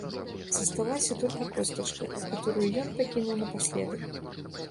Засталася толькі костачка, каторую ён пакінуў напаследак.